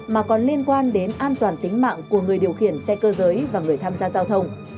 mà còn liên quan đến an toàn tính mạng của người điều khiển xe cơ giới và người tham gia giao thông